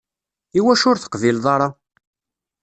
Iwacu ur teqbileḍ ara?